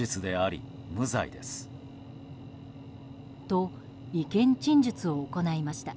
と、意見陳述を行いました。